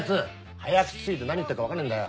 早口過ぎて何言ってっか分かんねえんだよ。